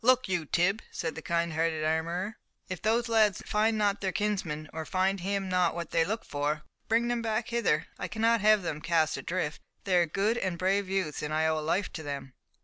"Look you, Tib," said the kind hearted armourer, "if those lads find not their kinsman, or find him not what they look for, bring them back hither, I cannot have them cast adrift. They are good and brave youths, and I owe a life to them."